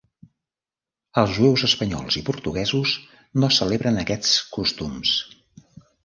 Els jueus espanyols i portuguesos no celebren aquests costums.